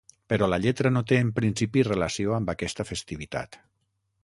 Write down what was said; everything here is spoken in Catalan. Però la lletra no té en principi relació amb aquesta festivitat.